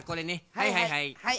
はいはいはい。